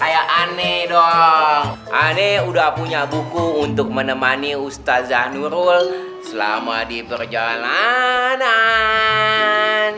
ayo angni dong aneh udah punya buku untuk menemani ustaz janurul selama di perjalanan